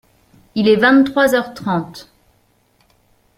Il est vingt-trois heures trente.